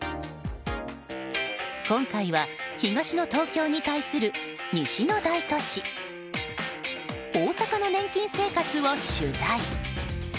今回は東の東京に対する西の大都市大阪の年金生活を取材。